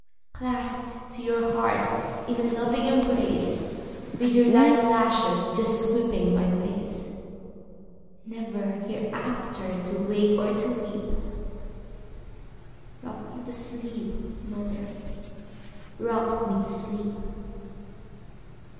Clasped to your heart in a loving embrace, With your light lashes just sweeping my face, Never hereafter to wake or to weep;—Rock me to sleep, mother,—rock me to sleep!